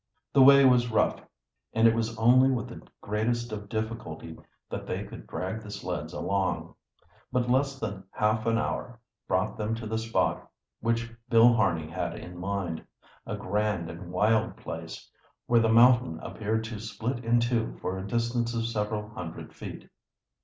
The way was rough, and it was only with the greatest of difficulty that they could drag the sleds along. But less than half an hour brought them to the spot which Bill Harney had in mind a grand and wild place, where the mountain appeared to split in two for a distance of several hundred feet.